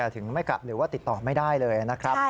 ถึงไม่กลับหรือว่าติดต่อไม่ได้เลยนะครับ